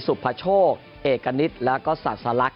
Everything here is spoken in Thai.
สุภโชคเอกณิตแล้วก็สัตว์สลัก